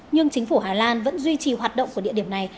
nhưng chính phủ hà lan vẫn duy trì hoạt động của địa điểm này